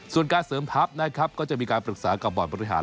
ส่วนการเสริมทัพนะครับก็จะมีการปรึกษากับบอร์ดบริหาร